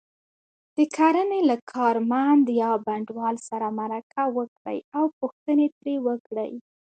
د کرنې له کارمند یا بڼوال سره مرکه وکړئ او پوښتنې ترې وکړئ.